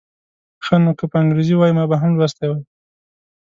ښه نو که په انګریزي وای ما به هم لوستی و.